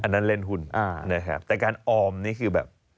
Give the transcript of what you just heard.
นั่นเล่นหุ้นนะครับแต่การออมนี่คือแบบ